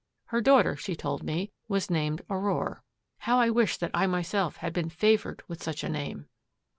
Her daughter, she told me, was named Aurore. How I wished that I myself had been favored with such a name!